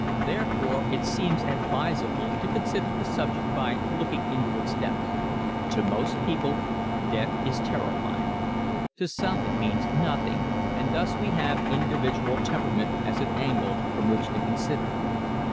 Therefore, it seems advisable to consider the subject by looking into its depths. To most people debt is terrifying. To some it means nothing and thus we have individual temperament as an angle from which to consider.